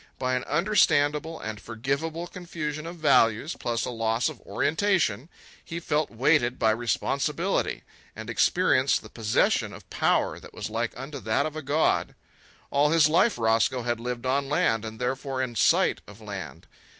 By an understandable and forgivable confusion of values, plus a loss of orientation, he felt weighted by responsibility, and experienced the possession of power that was like unto that of a god. All his life Roscoe had lived on land, and therefore in sight of land.